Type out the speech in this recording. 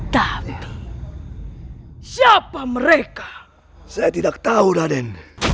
tapi siapa mereka saya tidak tahu raden